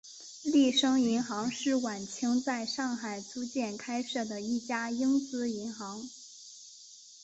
利升银行是晚清在上海租界开设的一家英资银行。